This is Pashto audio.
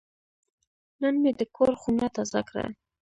نن مې د کور خونه تازه کړه.